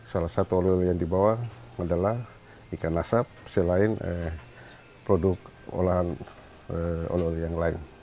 salah satu olahraga yang dibawa adalah ikan asap selain produk olahan olahraga yang lain